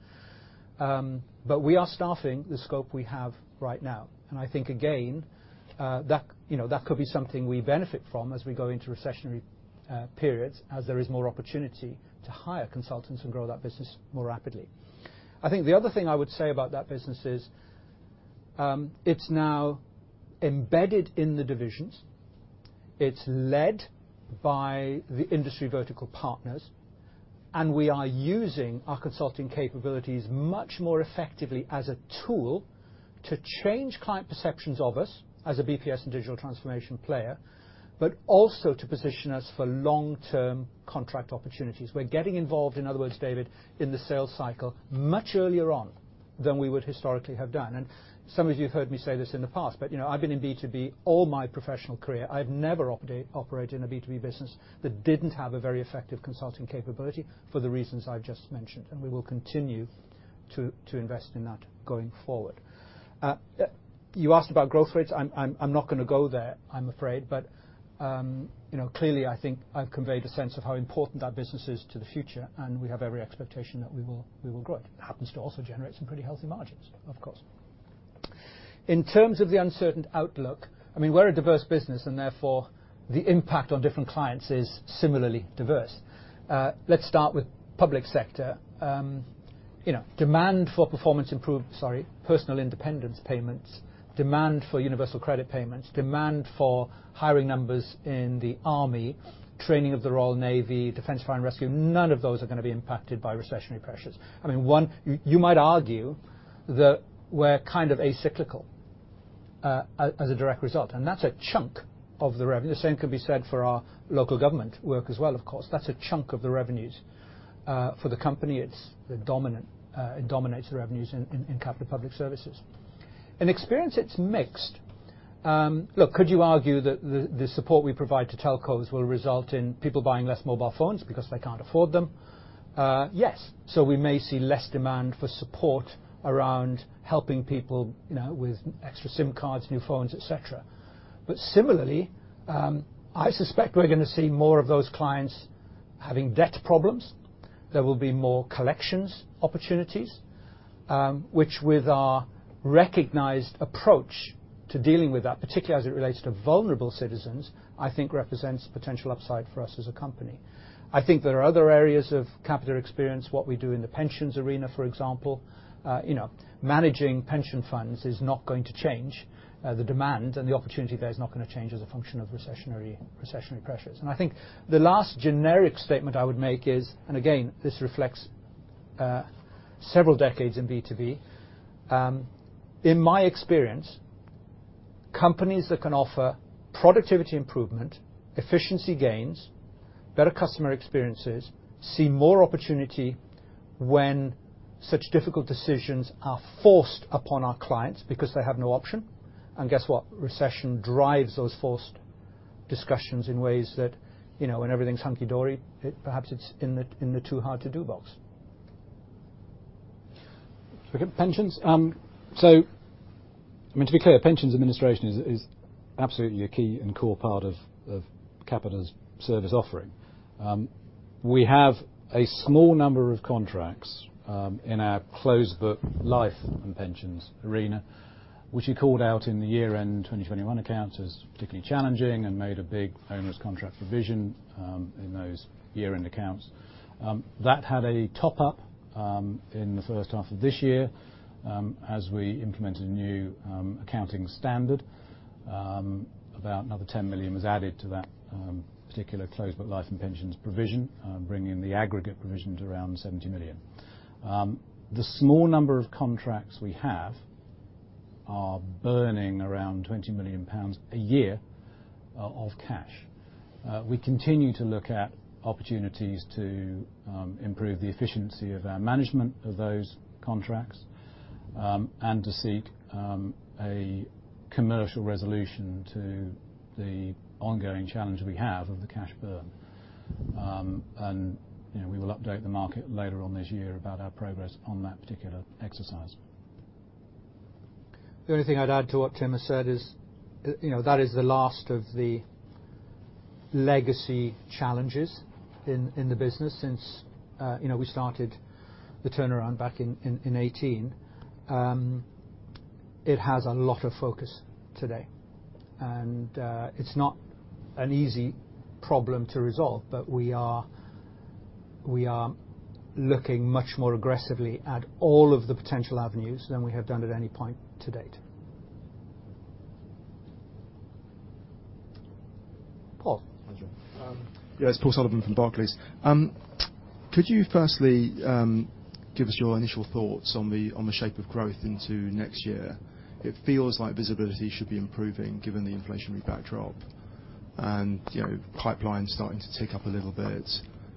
We are staffing the scope we have right now, and I think again, that, you know, that could be something we benefit from as we go into recessionary periods as there is more opportunity to hire consultants and grow that business more rapidly. I think the other thing I would say about that business is, it's now embedded in the divisions. It's led by the industry vertical partners, and we are using our consulting capabilities much more effectively as a tool to change client perceptions of us as a BPS and digital transformation player, but also to position us for long-term contract opportunities. We're getting involved, in other words, David, in the sales cycle much earlier on than we would historically have done. Some of you have heard me say this in the past, but, you know, I've been in B2B all my professional career. I've never operated in a B2B business that didn't have a very effective consulting capability for the reasons I've just mentioned, and we will continue to invest in that going forward. You asked about growth rates. I'm not gonna go there, I'm afraid. You know, clearly I think I've conveyed a sense of how important that business is to the future, and we have every expectation that we will grow it. It happens to also generate some pretty healthy margins, of course. In terms of the uncertain outlook, I mean, we're a diverse business, and therefore, the impact on different clients is similarly diverse. Let's start with public sector. You know, demand for personal independence payments, demand for universal credit payments, demand for hiring numbers in the army, training of the Royal Navy, Defence Fire and Rescue, none of those are gonna be impacted by recessionary pressures. I mean, you might argue that we're kind of acyclical as a direct result, and that's a chunk of the revenue. The same could be said for our local government work as well, of course. That's a chunk of the revenues. For the company, it's the dominant, it dominates the revenues in Capita Public Services. In Experience, it's mixed. Look, could you argue that the support we provide to telcos will result in people buying less mobile phones because they can't afford them? Yes. We may see less demand for support around helping people, you know, with extra SIM cards, new phones, et cetera. Similarly, I suspect we're gonna see more of those clients having debt problems. There will be more collections opportunities, which with our recognized approach to dealing with that, particularly as it relates to vulnerable citizens, I think represents potential upside for us as a company. I think there are other areas of Capita Experience, what we do in the pensions arena, for example. You know, managing pension funds is not going to change, the demand, and the opportunity there is not gonna change as a function of recessionary pressures. I think the last generic statement I would make is, and again, this reflects, several decades in B2B. In my experience, companies that can offer productivity improvement, efficiency gains, better customer experiences, see more opportunity when such difficult decisions are forced upon our clients because they have no option. Guess what? Recession drives those forced discussions in ways that, you know, when everything's hunky-dory, it perhaps is in the too hard to do box. Pensions. I mean, to be clear, pensions administration is absolutely a key and core part of Capita's service offering. We have a small number of contracts in our closed book Life & Pensions arena, which we called out in the year-end 2021 accounts as particularly challenging and made a big onerous contract provision in those year-end accounts. That had a top-up in the first half of this year as we implemented a new accounting standard. About another 10 million was added to that particular closed book Life & Pensions provision, bringing the aggregate provision to around 70 million. The small number of contracts we have are burning around 20 million pounds a year of cash. We continue to look at opportunities to improve the efficiency of our management of those contracts, and to seek a commercial resolution to the ongoing challenge we have of the cash burn. You know, we will update the market later on this year about our progress on that particular exercise. The only thing I'd add to what Tim has said is, you know, that is the last of the legacy challenges in the business since, you know, we started the turnaround back in 2018. It has a lot of focus today, and it's not an easy problem to resolve. We are looking much more aggressively at all of the potential avenues than we have done at any point to date. Paul. Hi, Jon. Yeah. It's Paul Sullivan from Barclays. Could you firstly give us your initial thoughts on the shape of growth into next year? It feels like visibility should be improving given the inflationary backdrop, and, you know, pipeline's starting to tick up a little bit,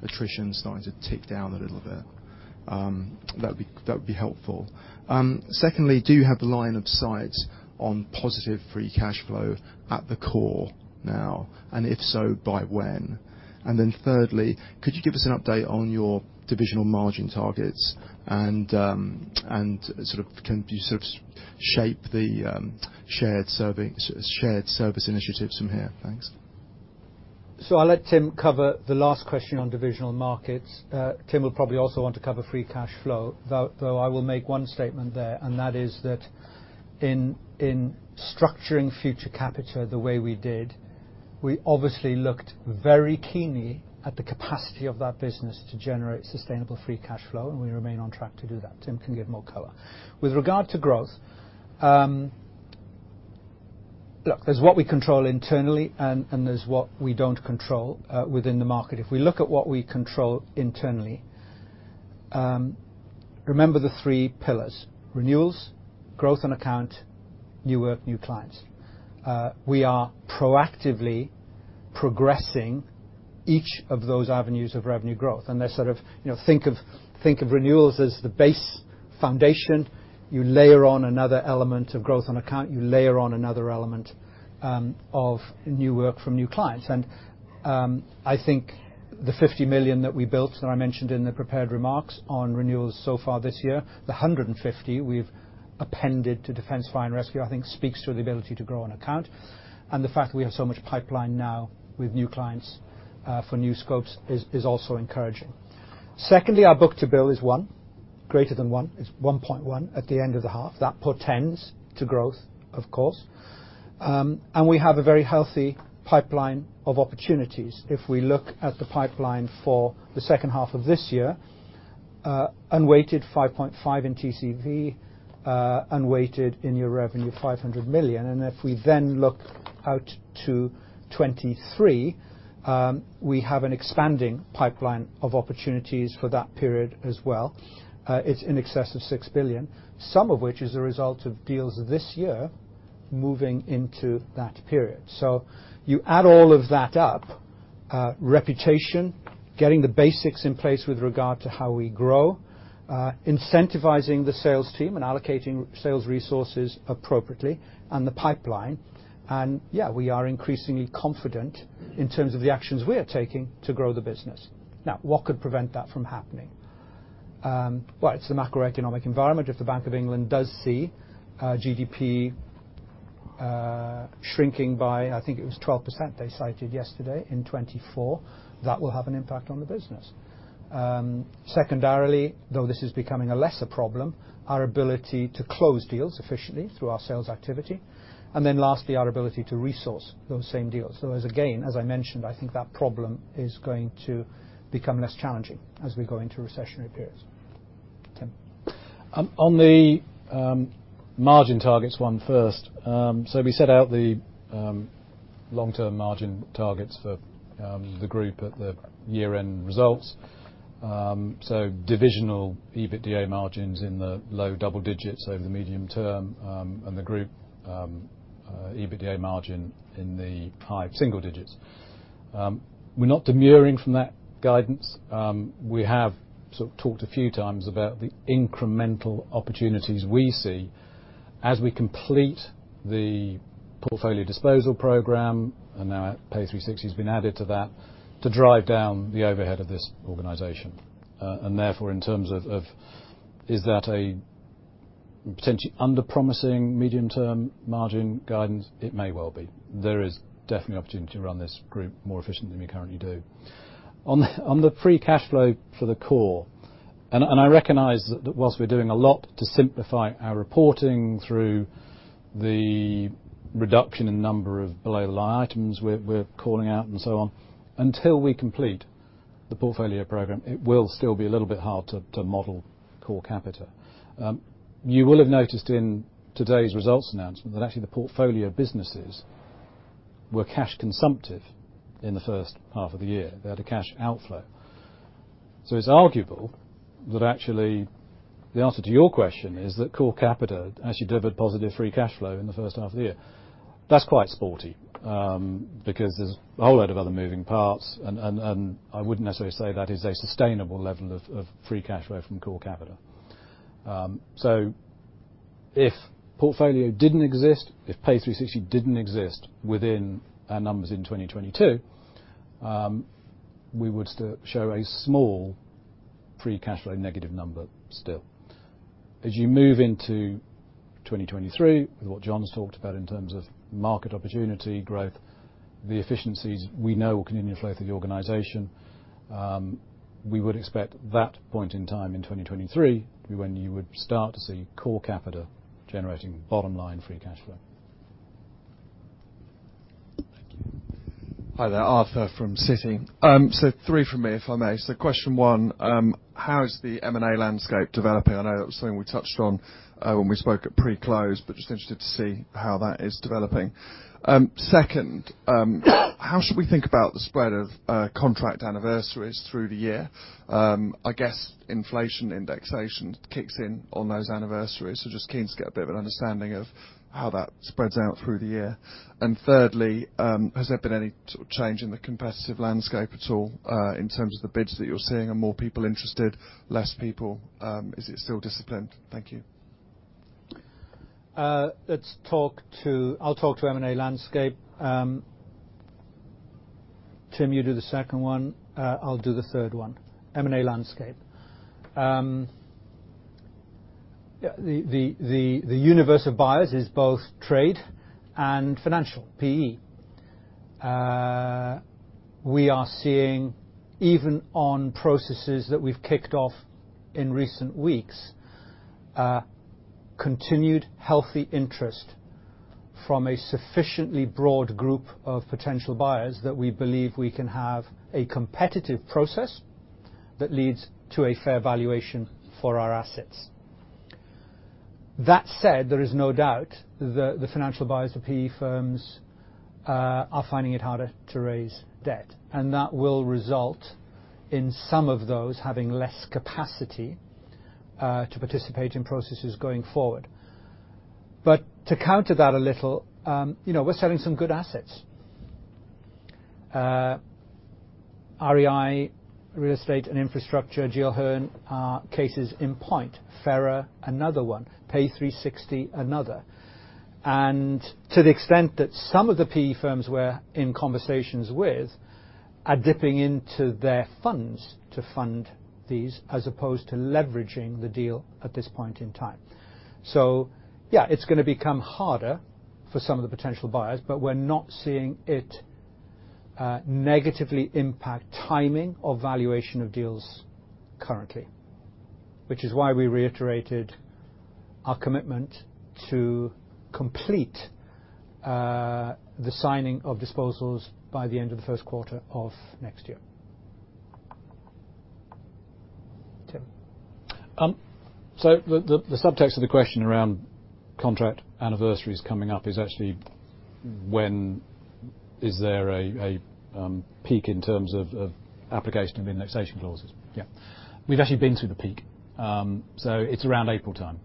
attrition starting to tick down a little bit. That would be helpful. Secondly, do you have line of sight on positive free cash flow at the core now? And if so, by when? And then thirdly, could you give us an update on your divisional margin targets? And sort of, can you shape the shared service initiatives from here? Thanks. I'll let Tim cover the last question on divisional markets. Tim will probably also want to cover free cash flow, though I will make one statement there, and that is that in structuring future Capita the way we did, we obviously looked very keenly at the capacity of that business to generate sustainable free cash flow, and we remain on track to do that. Tim can give more color. With regard to growth, look, there's what we control internally and there's what we don't control within the market. If we look at what we control internally, remember the three pillars, renewals, growth and account, new work, new clients. We are proactively progressing each of those avenues of revenue growth. They're sort of, you know, think of renewals as the base foundation. You layer on another element of growth on account, you layer on another element of new work from new clients. I think the 50 million that we built, and I mentioned in the prepared remarks on renewals so far this year, the 150 million we've appended to Defence Fire and Rescue, I think speaks to the ability to grow on account. The fact that we have so much pipeline now with new clients for new scopes is also encouraging. Secondly, our book-to-bill is greater than 1. It's 1.1 at the end of the half. That portends to growth, of course. We have a very healthy pipeline of opportunities. If we look at the pipeline for the second half of this year, unweighted 5.5 in TCV, unweighted in-year revenue, 500 million. If we then look out to 2023, we have an expanding pipeline of opportunities for that period as well. It's in excess of 6 billion, some of which is a result of deals this year moving into that period. You add all of that up, reputation, getting the basics in place with regard to how we grow, incentivizing the sales team and allocating sales resources appropriately and the pipeline. Yeah, we are increasingly confident in terms of the actions we are taking to grow the business. Now, what could prevent that from happening? Well, it's the macroeconomic environment. If the Bank of England does see GDP shrinking by, I think it was 12% they cited yesterday in 2024, that will have an impact on the business. Secondarily, though this is becoming a lesser problem, our ability to close deals efficiently through our sales activity, and then lastly, our ability to resource those same deals. As again, as I mentioned, I think that problem is going to become less challenging as we go into recessionary periods. Tim. On the margin targets, one first. We set out the long-term margin targets for the group at the year-end results. Divisional EBITDA margins in the low double digits over the medium term, and the group EBITDA margin in the high single digits. We're not demurring from that guidance. We have sort of talked a few times about the incremental opportunities we see as we complete the Portfolio disposal program, and now Pay360 has been added to that, to drive down the overhead of this organization. Therefore, in terms of is that a potentially under-promising medium-term margin guidance, it may well be. There is definitely opportunity to run this group more efficiently than we currently do. On the free cash flow for the core, I recognize that whilst we're doing a lot to simplify our reporting through the reduction in number of below-the-line items we're calling out and so on, until we complete the portfolio program, it will still be a little bit hard to model core Capita. You will have noticed in today's results announcement that actually the portfolio businesses were cash consumptive in the first half of the year. They had a cash outflow. It's arguable that actually the answer to your question is that core Capita actually delivered positive free cash flow in the first half of the year. That's quite sporty, because there's a whole load of other moving parts and I wouldn't necessarily say that is a sustainable level of free cash flow from core Capita. If portfolio didn't exist, if Pay360 didn't exist within our numbers in 2022, we would still show a small free cash flow negative number still. As you move into 2023, with what Jon's talked about in terms of market opportunity growth, the efficiencies we know will continue to flow through the organization, we would expect that point in time in 2023, be when you would start to see core Capita generating bottom line free cash flow. Hi there, Arthur from Citi. Three from me, if I may. Question one, how is the M&A landscape developing? I know that was something we touched on, when we spoke at pre-close, but just interested to see how that is developing. Second, how should we think about the spread of, contract anniversaries through the year? I guess inflation indexation kicks in on those anniversaries. Just keen to get a bit of an understanding of how that spreads out through the year. Thirdly, has there been any change in the competitive landscape at all, in terms of the bids that you're seeing? Are more people interested, less people? Is it still disciplined? Thank you. I'll talk to M&A landscape. Tim, you do the second one, I'll do the third one. M&A landscape. Yeah, the universe of buyers is both trade and financial, PE. We are seeing even on processes that we've kicked off in recent weeks, continued healthy interest from a sufficiently broad group of potential buyers that we believe we can have a competitive process that leads to a fair valuation for our assets. That said, there is no doubt the financial buyers or PE firms are finding it harder to raise debt, and that will result in some of those having less capacity to participate in processes going forward. To counter that a little, you know, we're selling some good assets. REI, Real Estate and Infrastructure, GL Hearn are cases in point. Fera, another one. Pay360, another. To the extent that some of the PE firms we're in conversations with are dipping into their funds to fund these as opposed to leveraging the deal at this point in time. Yeah, it's gonna become harder for some of the potential buyers, but we're not seeing it negatively impact timing or valuation of deals currently, which is why we reiterated our commitment to complete the signing of disposals by the end of the first quarter of next year. Tim. The subtext of the question around contract anniversaries coming up is actually when is there a peak in terms of application of indexation clauses? Yeah. We've actually been through the peak, so it's around April time.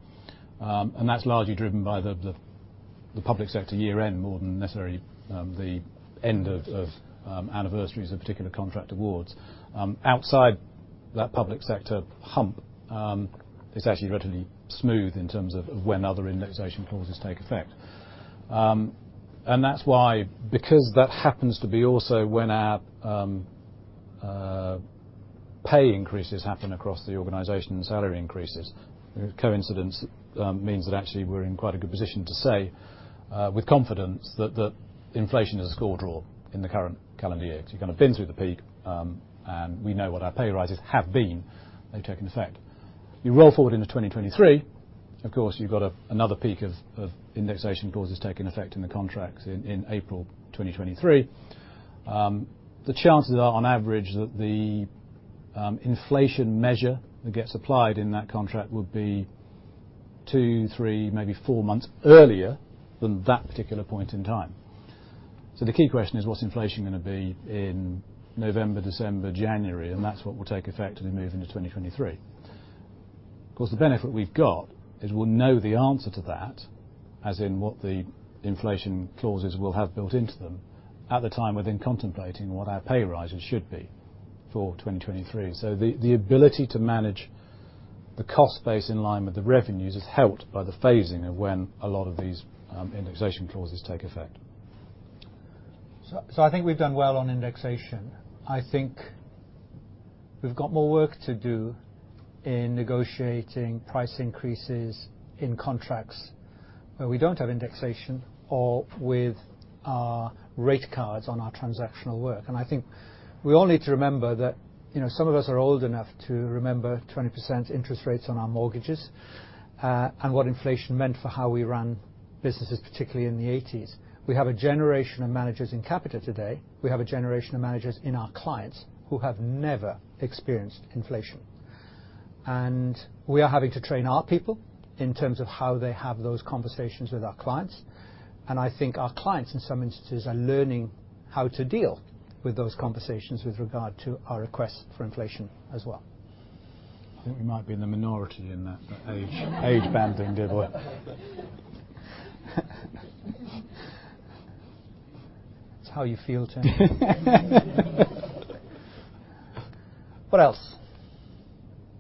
That's largely driven by the public sector year-end more than necessarily the end of anniversaries of particular contract awards. Outside that public sector hump, it's actually relatively smooth in terms of when other indexation clauses take effect. That's why because that happens to be also when our pay increases happen across the organization and salary increases. Coincidence means that actually we're in quite a good position to say with confidence that inflation is a score draw in the current calendar year. 'Cause you're gonna have been through the peak, and we know what our pay rises have been. They've taken effect. You roll forward into 2023, of course, you've got another peak of indexation clauses taking effect in the contracts in April 2023. The chances are on average that the inflation measure that gets applied in that contract would be two, three, maybe four months earlier than that particular point in time. The key question is what's inflation gonna be in November, December, January, and that's what will take effect as we move into 2023. Of course, the benefit we've got is we'll know the answer to that, as in what the inflation clauses will have built into them at the time within contemplating what our pay rises should be for 2023. The ability to manage the cost base in line with the revenues is helped by the phasing of when a lot of these indexation clauses take effect. I think we've done well on indexation. I think we've got more work to do in negotiating price increases in contracts where we don't have indexation or with our rate cards on our transactional work. I think we all need to remember that, you know, some of us are old enough to remember 20% interest rates on our mortgages, and what inflation meant for how we ran businesses, particularly in the 1980s. We have a generation of managers in Capita today. We have a generation of managers in our clients who have never experienced inflation. We are having to train our people in terms of how they have those conversations with our clients, and I think our clients in some instances are learning how to deal with those conversations with regard to our request for inflation as well. I think we might be in the minority in that age banding, by the way. That's how you feel, Tim. What else?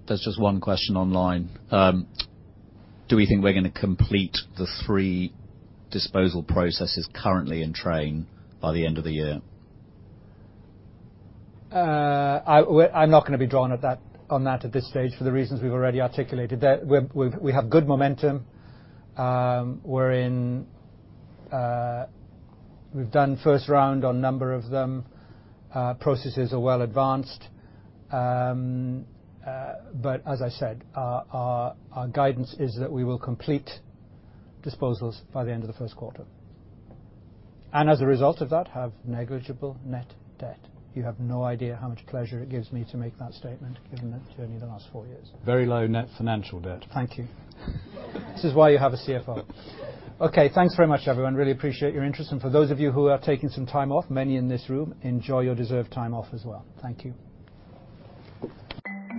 There's just one question online. Do we think we're gonna complete the three disposal processes currently in train by the end of the year? I'm not gonna be drawn on that at this stage for the reasons we've already articulated. We have good momentum. We've done first round on a number of them. Processes are well advanced. As I said, our guidance is that we will complete disposals by the end of the first quarter and, as a result of that, have negligible net debt. You have no idea how much pleasure it gives me to make that statement, given the journey of the last four years. Very low net financial debt. Thank you. This is why you have a CFO. Okay, thanks very much, everyone. Really appreciate your interest. For those of you who are taking some time off, many in this room, enjoy your deserved time off as well. Thank you.